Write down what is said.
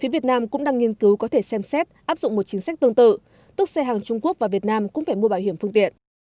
phía việt nam cũng đang nghiên cứu có thể xem xét áp dụng một chính sách tương tự tức xe hàng trung quốc và việt nam cũng phải mua bảo hiểm phương tiện